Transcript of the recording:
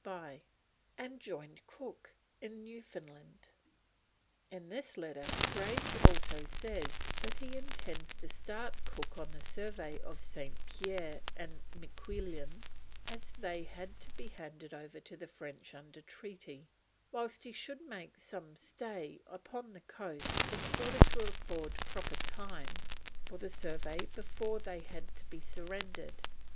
Spy, and joined Cook in Newfoundland. In this letter Graves also says that he intends to start Cook on the survey of St. Pierre and Miquelon as they had to be handed over to the French under treaty, whilst he should make some stay upon the coast in order to afford proper time for survey before they had to be surrendered.